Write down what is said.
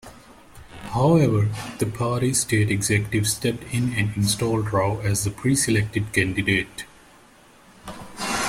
However, the party's state executive stepped in and installed Rau as the pre-selected candidate.